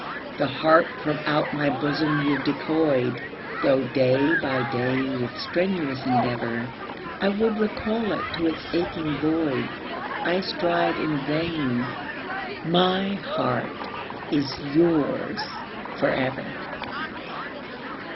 The heart from out my bosom you've decoyed, Though day by day with strenuous endeavour I would recall it to its aching void. I strive in vain my heart is yours for ever.